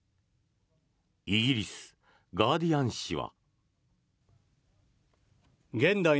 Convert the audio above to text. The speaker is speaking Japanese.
イギリス・ガーディアン紙は。